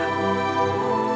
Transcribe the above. terima kasih sayangku